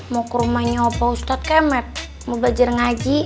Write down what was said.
mau ke rumahnya bapak ustadz kemet mau belajar ngaji